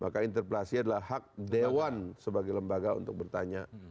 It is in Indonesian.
maka interpelasi adalah hak dewan sebagai lembaga untuk bertanya